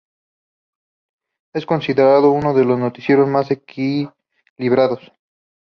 Es considerado uno de los noticieros más equilibrados.